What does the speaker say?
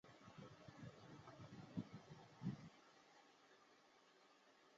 马来西亚卫生部长是马来西亚主管卫生事务的联邦政府部门的部长。